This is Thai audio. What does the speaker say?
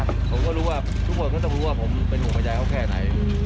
ผมก็รู้ว่าทุกคนก็ต้องรู้ว่าผมเป็นห่วงบรรยายเขาแค่ไหน